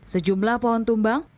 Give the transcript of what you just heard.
sejumlah pohon tumbang